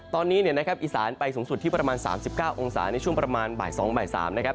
ตอนนี้อีสานไปสูงสุดที่ประมาณ๓๙องศาในชุมประมาณ๑๒๐๐๓๐๐นะครับ